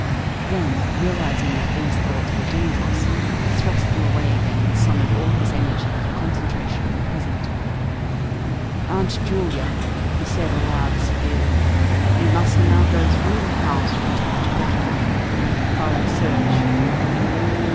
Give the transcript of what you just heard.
Then realising that these thoughts were dangerous, he thrust them away again and summoned all his energy for concentration on the present. "Aunt Julia," he said aloud, severely, "we must now go through the house from top to bottom and make a thorough search."